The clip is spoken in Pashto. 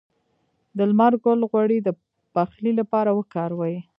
د لمر ګل غوړي د پخلي لپاره وکاروئ